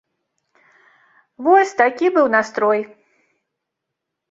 Вось, такі быў настрой.